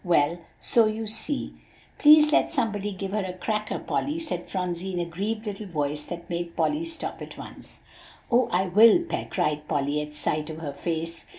"Well, so you see" "Please let somebody give her a cracker, Polly," said Phronsie in a grieved little voice that made Polly stop at once. "Oh! I will, Pet," cried Polly at sight of her face.